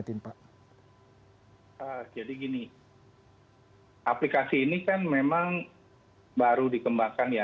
jadi gini aplikasi ini kan memang baru dikembangkan ya